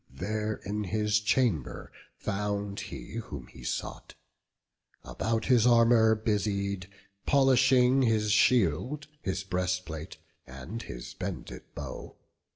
There in his chamber found he whom he sought, About his armour busied, polishing His shield, his breastplate, and his bended bow.